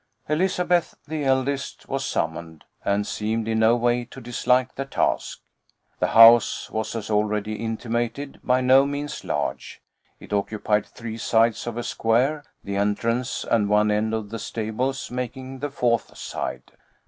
Elizabeth, the eldest, was summoned, and seemed in no way to dislike the task. The house was, as already intimated, by no means large; it occupied three sides of a square, the entrance and one end of the stables making the fourth side.